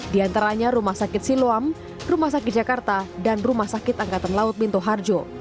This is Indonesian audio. di antaranya rumah sakit siloam rumah sakit jakarta dan rumah sakit angkatan laut minto harjo